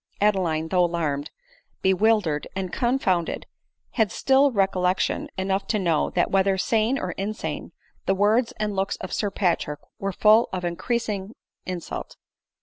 Adeline, though alarmed, bewildered, and confounded, had still recollection enough to know, that whether sane or insane, the words and looks of Sir Patrick were full of increasing insult.